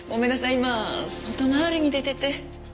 今外回りに出ていて。